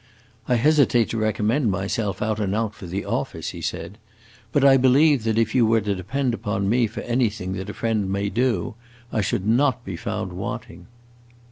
"I hesitate to recommend myself out and out for the office," he said, "but I believe that if you were to depend upon me for anything that a friend may do, I should not be found wanting."